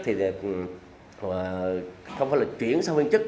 thì không phải là chuyển sang viên chức